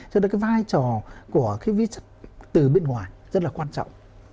cho nên cái vai trò của cái vi chất từ bên ngoài rất là quan trọng